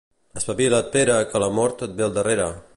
Espavila't, Pere, que la mort et ve al darrere.